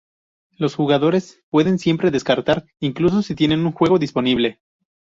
Los jugadores pueden siempre descartar, incluso si tienen un juego disponible.